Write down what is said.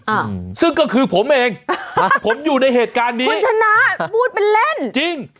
อืมซึ่งก็คือผมเองฮะผมอยู่ในเหตุการณ์นี้คุณชนะพูดเป็นเล่นจริง